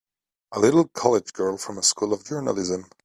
A little college girl from a School of Journalism!